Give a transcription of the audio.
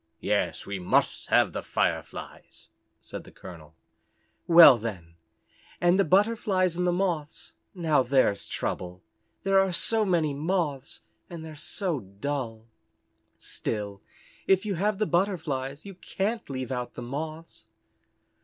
"Yes, we must have the Fireflies," said the colonel. "Well, then and the Butterflies and the Moths, now there's the trouble. There are so many Moths, and they're so dull. Still if you have the Butterflies you can't leave out the Moths."